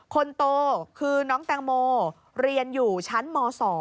คนโตคือน้องแตงโมเรียนอยู่ชั้นม๒